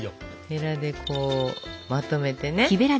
へらでこうまとめてね。